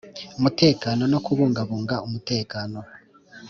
mutekano no kubungabunga umutekano